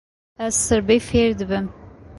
Ez sirbî fêr dibim.